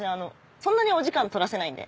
そんなにお時間取らせないんで。